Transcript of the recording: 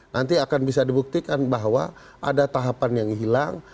nanti akan bisa dibuktikan bahwa ada tahapan yang hilang